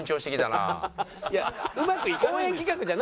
いやうまくいかないんですよ。